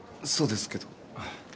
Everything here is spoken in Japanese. そうですけど。